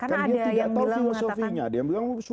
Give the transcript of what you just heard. karena dia tidak tahu filosofinya